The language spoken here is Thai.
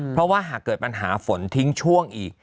เพราะว่าหากเกิดปัญหาฝนทิ้งช่วงอีก